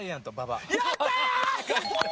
やったー！